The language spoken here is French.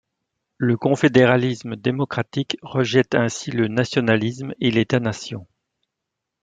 Le Confédéralisme démocratique rejette ainsi le nationalisme et l'État-nation.